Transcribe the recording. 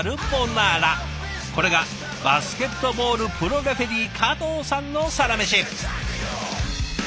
これがバスケットボールプロレフェリー加藤さんのサラメシ。